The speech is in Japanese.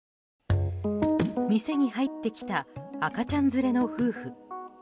店に入ってきた赤ちゃん連れの夫婦。